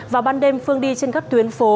vào ban đêm phương đi trên các tuyến phố